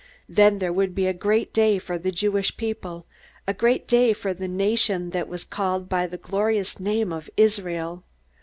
Then there would be a great day for the Jewish people, a great day for the nation that was called by the glorious name of Israel!